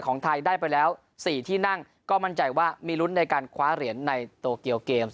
ของไทยได้ไปแล้ว๔ที่นั่งก็มั่นใจว่ามีลุ้นในการคว้าเหรียญในโตเกียวเกมส์